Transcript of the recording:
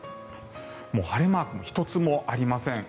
晴れマーク、１つもありません。